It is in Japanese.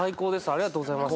ありがとうございます。